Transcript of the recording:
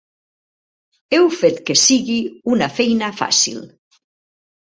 Heu fet que sigui una feina fàcil!